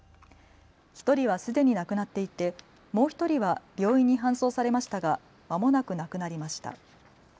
１人はすでに亡くなっていてもう１人は病院に搬送されましたがまもなく亡くなりました。